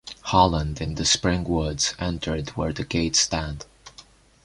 Holland in the Spring Woods, entered where the gates stand.